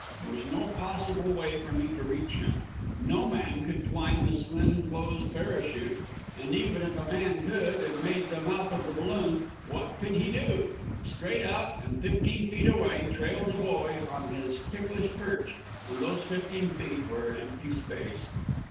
There was no possible way for me to reach him. No man could climb the slim, closed parachute; and even if a man could, and made the mouth of the balloon, what could he do? Straight out, and fifteen feet away, trailed the boy on his ticklish perch, and those fifteen feet were empty space.